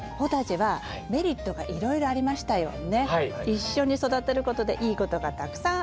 一緒に育てることでいいことがたくさんあるよって。